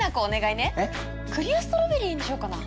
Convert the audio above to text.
クリアストロベリーにしようかな？